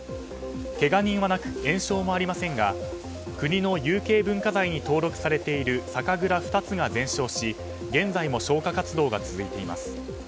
けが人はなく延焼もありませんが国の有形文化財に登録されている酒蔵２つが全焼し現在も消火活動が続いています。